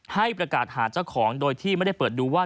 ให้ประกาศหาเจ้าของโดยที่ไม่ได้เปิดดูว่า